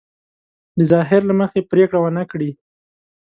د ظاهر له مخې پرېکړه ونه کړي.